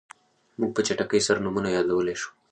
موږ په چټکۍ سره نومونه یادولی شو.